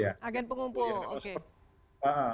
agen pengumpul oke